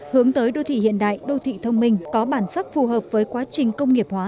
hướng tới đô thị hiện đại đô thị thông minh có bản sắc phù hợp với quá trình công nghiệp hóa